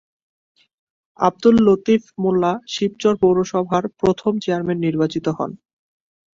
আঃ লতিফ মোল্লা শিবচর পৌরসভার প্রথম চেয়ারম্যান নির্বাচিত হন।